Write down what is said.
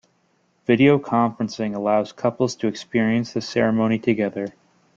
Video conferencing allows couples to experience the ceremony together.